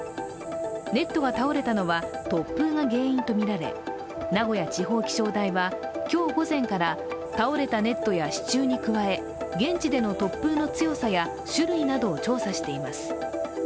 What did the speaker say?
ネットが倒れたのは、突風が原因とみられ、名古屋地方気象台は今日午前から倒れたネットや支柱に加え、現地での突風の強さや、種類などを調査しています。